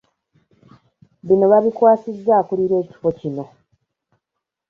Biino babikwasizza akulira ekifo kino.